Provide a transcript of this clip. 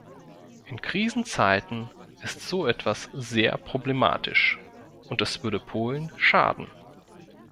In Krisenzeiten ist so etwas sehr problematisch und es würde Polen schaden.